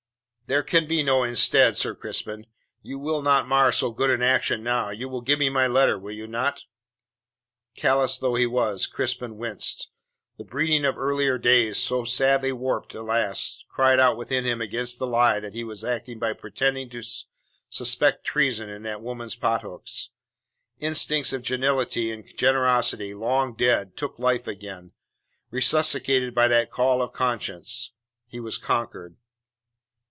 "There can be no instead, Sir Crispin. You will not mar so good an action now. You will give me my letter, will you not?" Callous though he was, Crispin winced. The breeding of earlier days so sadly warped, alas! cried out within him against the lie that he was acting by pretending to suspect treason in that woman's pothooks. Instincts of gentility and generosity long dead took life again, resuscitated by that call of conscience. He was conquered.